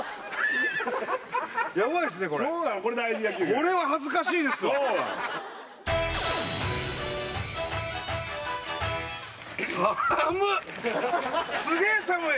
これは恥ずかしいですわ寒っ！